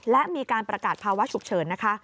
และมีการประกาศภาวะฉุกเฉินนะคะ